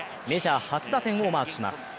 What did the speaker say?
メジャー初打点をマークします。